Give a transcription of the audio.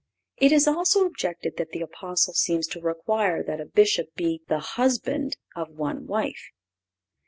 It is also objected that the Apostle seems to require that a Bishop be "the husband of one wife."